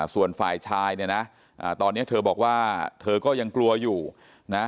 ส่วนฝ่ายชายเนี่ยนะตอนนี้เธอบอกว่าเธอก็ยังกลัวอยู่นะ